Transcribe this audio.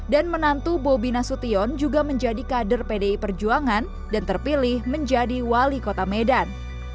dan menantu bobi nasution juga menjadi kader pdi perjuangan dan terpilih menjadi wali kota medan